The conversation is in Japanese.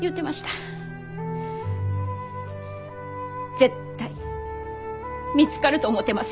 絶対見つかると思てます。